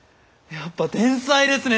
やっぱ天才ですね！